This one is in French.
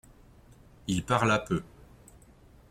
Il parla peu.